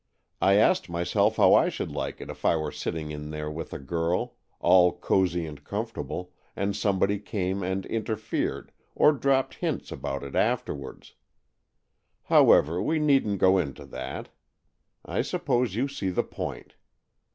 I asked myself how I should like it if I were sitting in there with a girl, all cosy and comfortable, and somebody came and interfered, or dropped hints about it afterwards. However, we needn't go into that. I suppose you see the point.